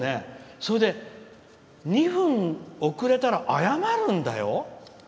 それで、２分遅れたら謝るんだよ！